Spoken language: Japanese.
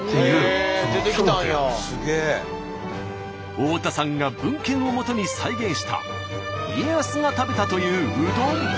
太田さんが文献をもとに再現した家康が食べたといううどん。